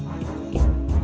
ya pak juna